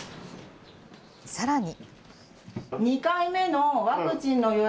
さらに。